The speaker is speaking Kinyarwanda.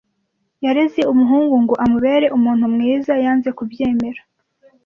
Yareze umuhungu ngo amubere umuntu mwiza. Yanze kubyemera.